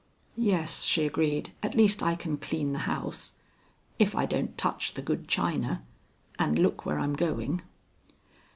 "Yes," she agreed, "at least I can clean the house. If I don't touch the good china, and look where I'm going."